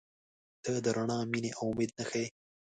• ته د رڼا، مینې، او امید نښه یې.